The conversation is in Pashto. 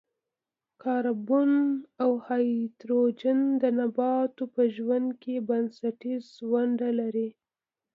کاربن او هایدروجن د نباتاتو په ژوند کې بنسټیزه ونډه لري.